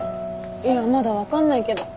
いやまだ分かんないけど。